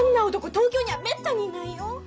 東京にはめったにいないよ。